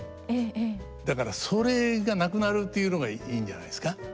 だからそれがなくなるというのがいいんじゃないですか。